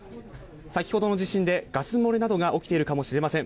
先ほどの地震でガス漏れなどが起きているかもしれません。